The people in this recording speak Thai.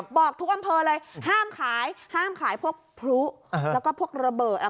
บอกทุกอำเภอเลยห้ามขายห้ามขายพวกพลุแล้วก็พวกระเบิด